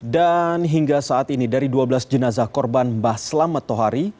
dan hingga saat ini dari dua belas jenazah korban mbah selamat tohari